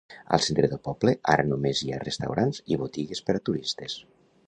Al centre del poble ara només hi ha restaurants i botigues per a turistes.